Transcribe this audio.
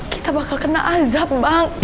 kita bakal kena azab bang